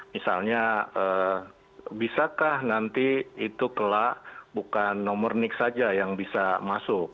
misalnya bisakah nanti itu kelak bukan nomor nix saja yang bisa masuk